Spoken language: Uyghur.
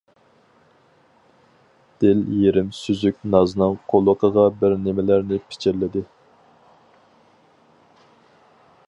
دىل يېرىم سۈزۈك نازنىڭ قۇلىقىغا بىر نېمىلەرنى پىچىرلىدى.